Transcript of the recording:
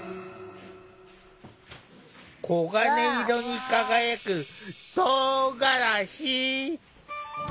黄金色に輝くとうがらし！